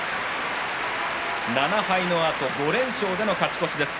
７敗のあと５連勝での勝ち越しです。